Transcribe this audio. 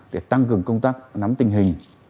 để tăng cường công tác nắm tình hình